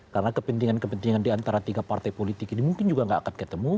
karena kepentingan kepentingan diantara tiga partai politik ini mungkin juga nggak akan ketemu